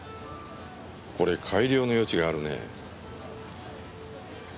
これ改良の余地があるね。